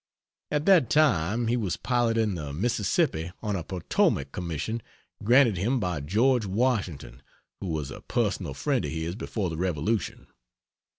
At that time he was piloting the Mississippi on a Potomac commission granted him by George Washington who was a personal friend of his before the Revolution.